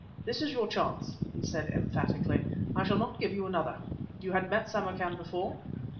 "This is your chance," he said emphatically; "I shall not give you another. You had met Samarkan before?"